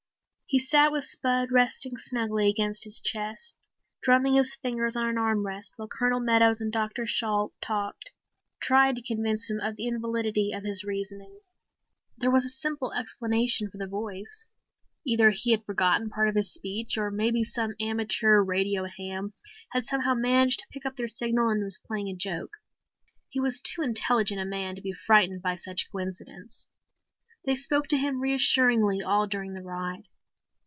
He sat with Spud resting snugly against his chest, drumming his fingers on an arm rest while Colonel Meadows and Dr. Shalt talked, tried to convince him of the invalidity in his reasoning. There was a simple explanation for the voice; either he had forgotten part of his speech or maybe some amateur radio ham had somehow managed to pick up their signal and was playing a joke. He was too intelligent a man to be frightened by such coincidence. They spoke to him reassuringly all during the ride.